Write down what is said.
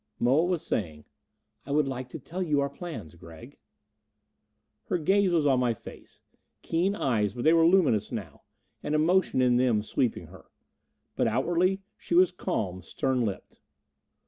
Moa was saying, "I would like to tell you our plans, Gregg." Her gaze was on my face. Keen eyes, but they were luminous now an emotion in them sweeping her. But outwardly she was calm, stern lipped.